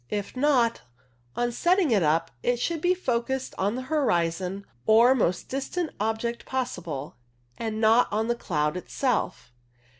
If not, on setting it up it should be focussed on the horizon or most distant object possible, and not on the cloud itself.